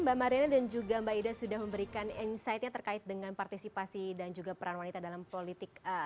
mbak mariana dan juga mbak ida sudah memberikan insightnya terkait dengan partisipasi dan juga peran wanita dalam politik